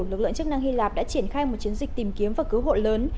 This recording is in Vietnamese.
lực lượng chức năng hy lạp đã triển khai một chiến dịch tìm kiếm và cứu hộ lớn